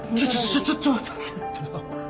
ちょちょっと待ってくれ。